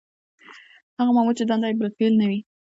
هغه مامور چې دنده یې بالفعل نه وي.